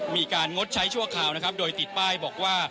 มีการงดใช้ชั่วข่าวโดยติดป้ายบอกว่า